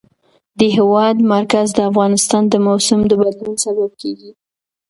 د هېواد مرکز د افغانستان د موسم د بدلون سبب کېږي.